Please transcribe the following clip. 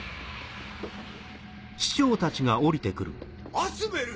アスベル！